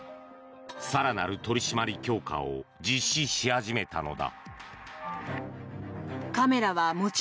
更なる取り締まり強化を実施し始めたのだ。